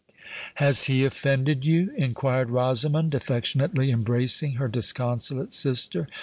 "Has he offended you?" inquired Rosamond, affectionately embracing her disconsolate sister.